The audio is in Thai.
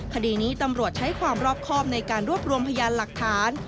คดีนี้ตำรวจใช้ความรอบครอบในการรวบรวมพยานหลักฐาน